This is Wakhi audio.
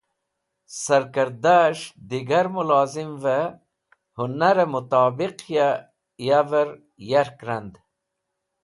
Sarkẽrdas̃h digar mẽlozimvẽ hũnarẽ mutobiq yavẽr yark rand.